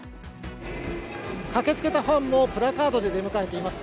駆けつけたファンもプラカードで出迎えています。